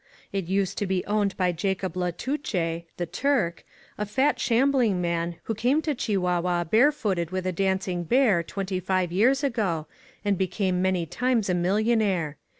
It used to be owned by Jacob La Touche— "The Turk''— a fat shambling man, who came to Chihuahua barefooted with a dancing bear twenty five years ago, and became many times a millionaire.